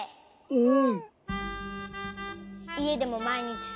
うん。